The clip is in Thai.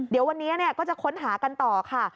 เดี๋ยววันนี้ก็จะค้นหากันต่อค่ะ